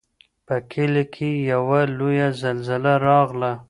په کلي کې یوه لویه زلزله راغله.